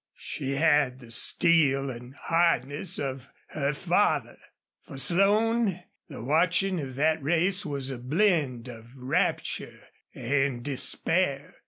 She had the steel and hardness of her father. For Slone, the watching of that race was a blend of rapture and despair.